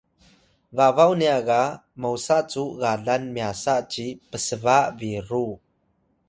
babaw nya ga mosa cu galan myasa ci psba biru